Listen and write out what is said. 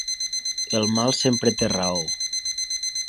El mal sempre té raó.